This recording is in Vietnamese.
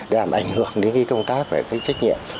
để làm ảnh hưởng đến cái công tác và cái trách nhiệm